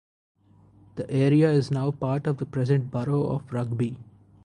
The area is now part of the present borough of Rugby.